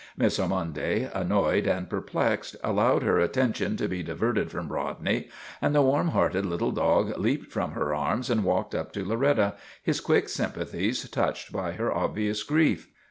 Miss Ormonde, annoyed and perplexed, allowed her attention to be diverted from Rodney, and the warm hearted little dog leaped from her arms and walked up to Loretta, his quick sympathies touched by her obvious grief.